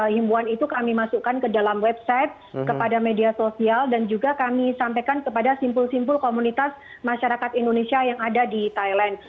himbuan itu kami masukkan ke dalam website kepada media sosial dan juga kami sampaikan kepada simpul simpul komunitas masyarakat indonesia yang ada di thailand